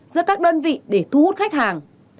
giữa các đơn vị để thu hút khách hàng